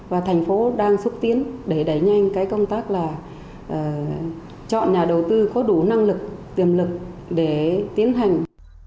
và thành phố đang xúc tiến để đẩy nhanh cái công tác là chọn nhà đầu tư có đủ năng lực tiềm lực để tiến hành